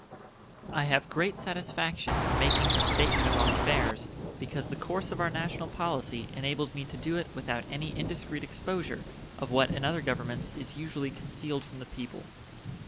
I have great satisfaction in making this statement of our affairs, because the course of our national policy enables me to do it without any indiscreet exposure of what in other governments is usually concealed from the people.